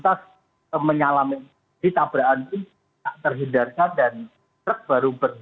dan ternyata melindas seorang pengendara sepeda motor